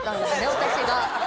私が。